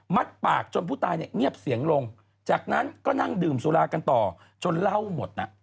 ปากจนผู้ตายเนี่ยเงียบเสียงลงจากนั้นก็นั่งดื่มสุรากันต่อจนเหล้าหมดน่ะ